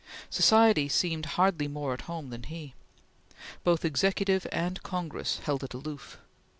Society seemed hardly more at home than he. Both Executive and Congress held it aloof.